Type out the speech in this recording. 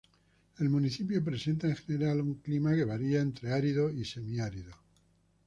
El municipio presenta en general un clima que varía entre árido y semiárido.